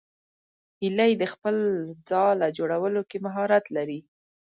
هیلۍ د خپل ځاله جوړولو کې مهارت لري